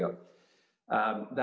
di sini ada